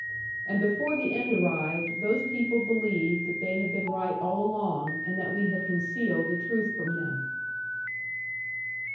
And before the end arrived, those people believed that they had been right all along, and that we had concealed the truth from them.